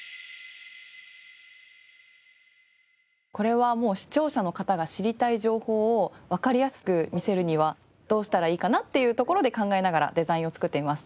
これはもう視聴者の方が知りたい情報をわかりやすく見せるにはどうしたらいいかなっていうところで考えながらデザインを作っています。